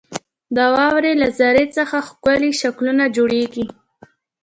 • د واورې له ذرې څخه ښکلي شکلونه جوړېږي.